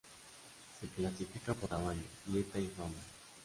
Se clasifican por tamaño, dieta y fama.